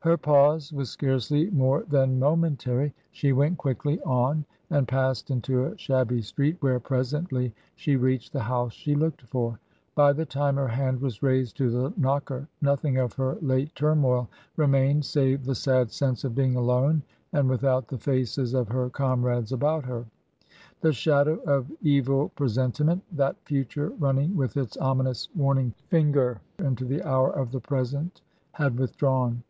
Her pause was scarcely more than momentary. She went quickly on and passed into a shabby street, where presently she reached the house she looked for. By the time her hand was raised to the knocker nothing of her late turmoil remained save the sad sense of being alone and without the faces of her comrades about her. The shadow of evil presentiment — that future, running with its ominous warning finger into the hour of the present had withdrawn.